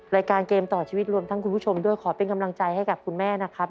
รายการเกมต่อชีวิตรวมทั้งคุณผู้ชมด้วยขอเป็นกำลังใจให้กับคุณแม่นะครับ